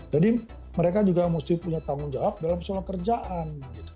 jadi mereka juga mesti punya tanggung jawab dalam soal kerjaan